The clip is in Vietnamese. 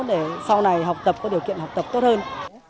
để sau này học tập có điều kiện học tập tốt hơn